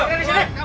kamu dari sini